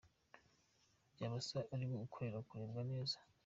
Byaba se ari ugukorera kurebwa neza?